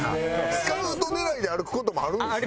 スカウト狙いで歩く事もあるんですね。